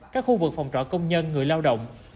các khu vực phòng trọ công nhân người lao động